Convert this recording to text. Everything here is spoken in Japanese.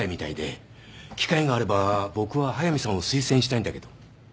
機会があれば僕は速見さんを推薦したいんだけど。